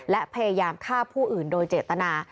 และพยายามฆ่าผู้อื่นโดยเจตนา